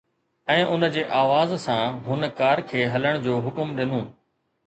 ۽ ان جي آواز سان، هن ڪار کي هلڻ جو حڪم ڏنو.